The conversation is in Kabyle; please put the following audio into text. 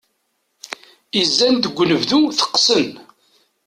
Izan deg unebdu teqqsen.